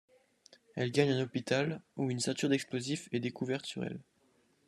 Elle gagne un hôpital où une ceinture d'explosifs est découverte sur elle.